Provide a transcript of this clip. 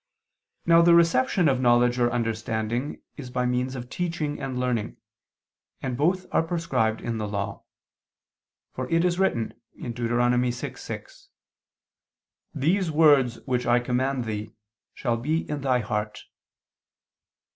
Now the reception of knowledge or understanding, is by means of teaching and learning, and both are prescribed in the Law. For it is written (Deut. 6:6): "These words which I command thee ... shall be in thy heart."